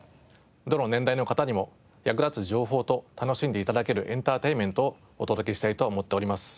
どの年代の方にも役立つ情報と楽しんで頂けるエンターテインメントをお届けしたいと思っております。